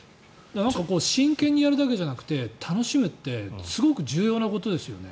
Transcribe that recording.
なんか真剣にやるだけじゃなくて楽しむってすごく重要なことですよね。